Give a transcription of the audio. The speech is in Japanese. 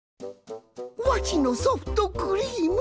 わしのソフトクリーム！